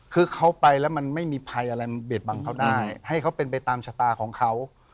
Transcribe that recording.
คือเขาไปแล้วมันไม่มีภัยอะไรมันเบียดบังเขาได้ให้เขาเป็นไปตามชะตาของเขา